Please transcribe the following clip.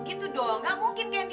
tapi aku gak ngerti